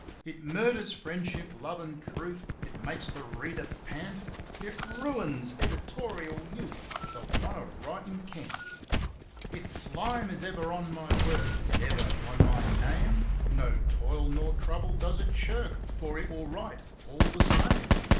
It murders friendship, love and truth (It makes the "reader" pant), It ruins editorial youth, the Wantaritencant. Its slime is ever on my work, and ever on my name; No toil nor trouble does It shirk—for It will write, all the same!